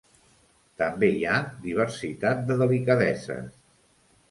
També hi ha diversitat de delicadeses.